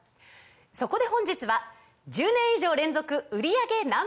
そこで本日は１０年以上連続売り上げＮｏ．１